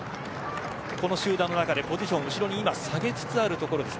集団の中でポジションを後ろに下げつつあります。